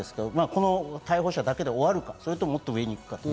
この逮捕者だけで終わるのか、それとももっと上に行くのか。